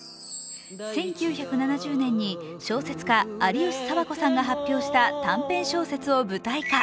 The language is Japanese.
１９７０年に小説家・有吉佐和子さんが発表した短編小説を舞台化。